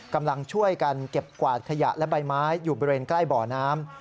กำลังช่วยกันเก็บกวาดขยะและใบไม้อยู่บริเวณใกล้บ่อน้ำ